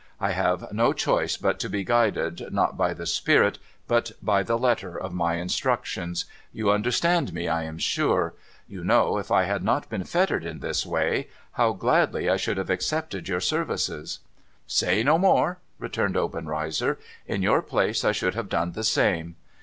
I have no choice Ijut to be guided, not by the spirit, but by the letter of my instructions. You under stand me, I am sure ? You know, if I had not been fettered in this way, how gladly I should have accepted your services ?'' Say no more !' returned Obenreizer. ' In your place I should have done the same.